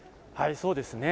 そうですね。